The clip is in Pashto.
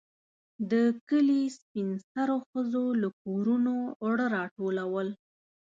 د کلي سپين سرو ښځو له کورونو اوړه راټولول.